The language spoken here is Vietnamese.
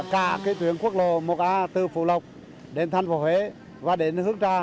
cả cái tuyến quốc lộ một a từ phủ lục đến thành phố huế và đến hương trà